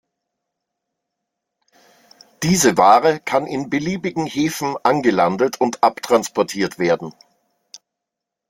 Diese Ware kann in beliebigen Häfen angelandet und abtransportiert werden.